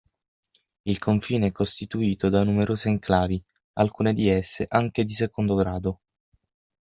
Il confine è costituito da numerose enclavi, alcune di esse anche di secondo grado.